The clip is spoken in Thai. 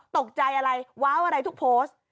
ตกใจอะไรว้าวอะไรทุกโพสต์